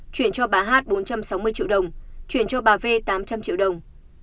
chuyển cho bà hát bốn trăm sáu mươi triệu đồng chuyển cho bà v tám trăm linh triệu đồng